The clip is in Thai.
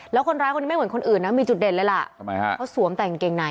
แล้วคนร้ายคนนี้ไม่เหมือนคนอื่นนะมีจุดเด่นเลยล่ะทำไมฮะเขาสวมแต่กางเกงใน